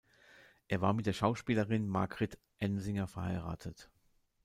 Er war mit der Schauspielerin Margrit Ensinger verheiratet.